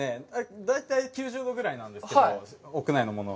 大体９０度ぐらいなんですけど、屋内のものは。